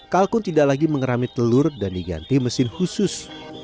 kalkun tidak lagi mengerami telur dan diganti mesin khusus